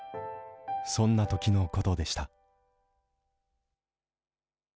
そんなときのことでした。